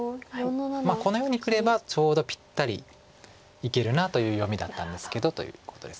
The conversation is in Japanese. このようにくればちょうどぴったりいけるなという読みだったんですけどということです。